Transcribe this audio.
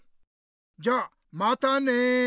じゃまたね！